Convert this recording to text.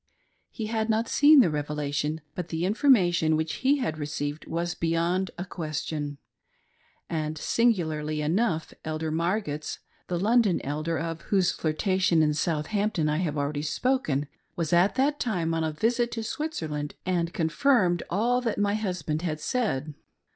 He had not seen the revelation, but the information which he had received was beyond a question ; and singularly enough Elder Margetts, the London Elder, of whose flirtation in Southampton I have already spoken, was at that tirne on a visit to Switzerland, and confirmed all that my husband had said.